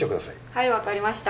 はいわかりました。